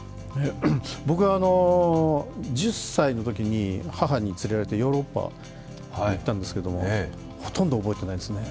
僕は１０歳のときに母に連れられてヨーロッパに行ったんですがほとんど覚えていないですね。